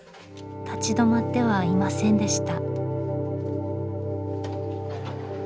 立ち止まってはいませんでした。